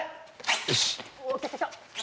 よし！